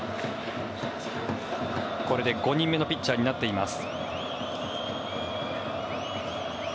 これで５人目のピッチャーになっています。